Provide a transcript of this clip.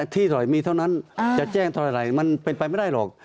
ที่หน่อยมีเท่านั้นจะแจ้งเท่าไหร่มันเป็นไปไม่ได้หรอก